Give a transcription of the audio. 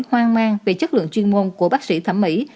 hoang mang về chất lượng chuyên môn của bác sĩ thẩm mỹ